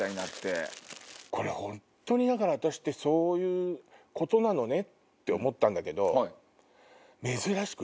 これホントにだから「私ってそういうことなのね」って思ったんだけど。